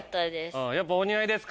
やっぱお似合いですか？